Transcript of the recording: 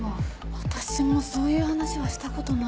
私もそういう話はした事ないな。